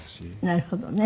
なるほどね。